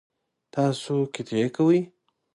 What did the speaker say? تاسو قطعی کوئ؟